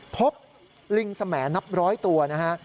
พบลิงแสมแหนับ๑๐๐ตัวนะฮะ